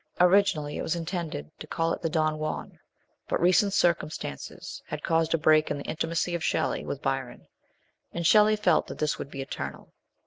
Originally it was in tended to call it the Don Juan, but recent circumstances had caused a break in the intimacy of Shelley with Byron, and Shelley felt that this would be eternal.